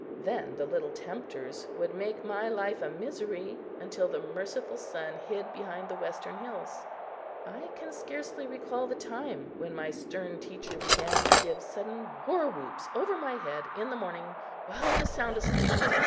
Then the little tempters would make my life a misery until the merciful sun hid behind the western hills. I can scarcely recall the time when my stern teacher began to give sudden war whoops over my head in the morning while I was sound asleep.